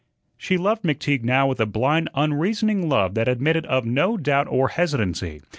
She loved McTeague now with a blind, unreasoning love that admitted of no doubt or hesitancy.